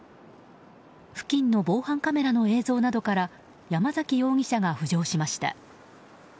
付近の防犯カメラの映像などから山崎容疑者が浮上しました。